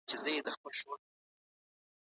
د پرښتو سيوری مو په سر.